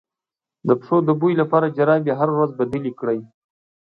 د پښو د بوی لپاره جرابې هره ورځ بدلې کړئ